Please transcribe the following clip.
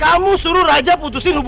coba keseluruhan sini coba